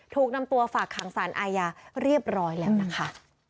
ถูกนำตัวฝากขังสารอาญาเรียบร้อยแล้วนะคะ